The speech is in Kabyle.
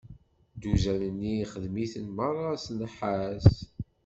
Dduzan-nni ixdem-iten meṛṛa s nnḥas.